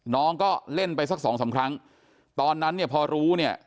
น้องก็เล่นไปสักสองสามครั้งตอนนั้นเนี่ยพอรู้เนี่ย